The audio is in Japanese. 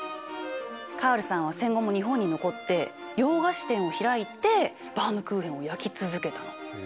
カールさんは戦後も日本に残って洋菓子店を開いてバウムクーヘンを焼き続けたの。